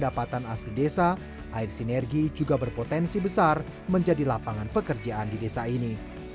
dapatan asli desa air sinergi juga berpotensi besar menjadi lapangan pekerjaan di desa ini